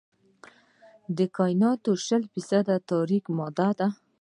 د کائنات شل فیصده تاریک ماده ده.